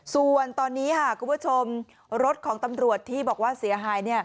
ส่วนตอนนี้คุณผู้ชมรถของตำรวจที่บอกว่าเสียหาย